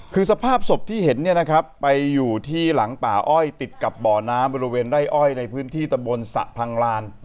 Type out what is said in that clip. คือสภาพศพที่เห็นเนี่ยนะครับไปอยู่ที่หลังป่าอ้อยติดกับบ่อน้ำบริเวณไร่อ้อยในพื้นที่ตะบนสะพังลาน